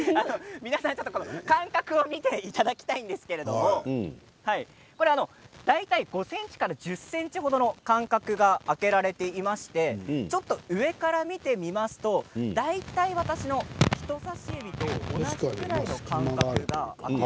皆さん間隔を見ていただきたいんですけど大体５ｃｍから１０ｃｍ程の間隔が空けられていまして上から見てみますと大体、私の人さし指と同じぐらいの間隔が。